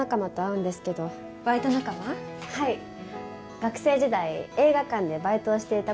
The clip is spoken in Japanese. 学生時代映画館でバイトをしていた事があって。